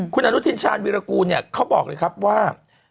คุณอนุทินชาญวิรากูลเนี่ยเขาบอกเลยครับว่า